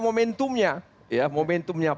momentumnya ya momentumnya